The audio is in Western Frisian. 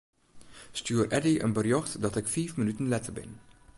Stjoer Eddy in berjocht dat ik fiif minuten letter bin.